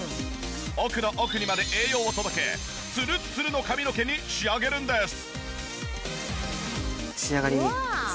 奥の奥にまで栄養を届けツルッツルの髪の毛に仕上げるんです。